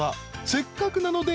［せっかくなので］